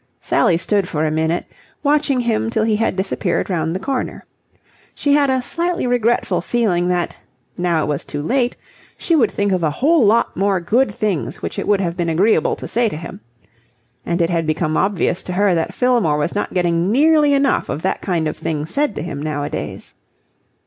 Sally stood for a minute, watching him till he had disappeared round the corner. She had a slightly regretful feeling that, now it was too late, she would think of a whole lot more good things which it would have been agreeable to say to him. And it had become obvious to her that Fillmore was not getting nearly enough of that kind of thing said to him nowadays.